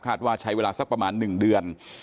ว่าใช้เวลาสักประมาณ๑เดือน